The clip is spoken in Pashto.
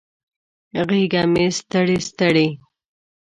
غیږه مې ستړي، ستړي